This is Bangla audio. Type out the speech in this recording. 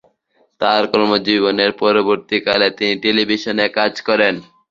তার কর্মজীবনের পরবর্তীকালে তিনি টেলিভিশনে কাজ করেন।